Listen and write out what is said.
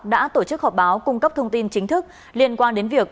đã tổ chức họp báo cung cấp thông tin chính thức liên quan đến việc